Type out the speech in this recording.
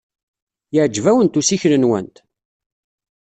Yeɛjeb-awent ussikel-nwent?